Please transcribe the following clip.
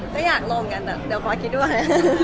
ก็อยากลงกันแต่เดี๋ยวปลอดคิดด้วย